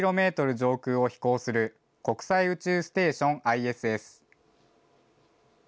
上空を飛行する、国際宇宙ステーション・ＩＳＳ。